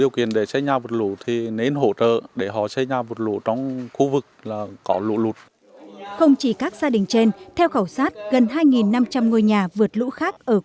không chỉ các gia đình trên theo khảo sát gần hai năm trăm linh ngôi nhà vượt lũ khác ở